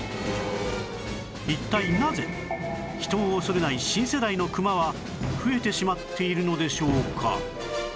一体なぜ人を恐れない新世代のクマは増えてしまっているのでしょうか？